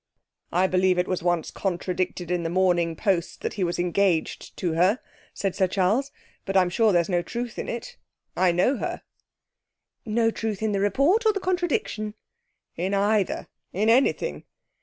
'I believe it was once contradicted in the Morning Post that he was engaged to her,' said Sir Charles. 'But I'm sure there's no truth in it. I know her.' 'No truth in the report? Or the contradiction?' 'In either. In anything.'